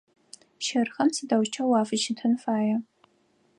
Щырхэм сыдэущтэу уафыщытын фая?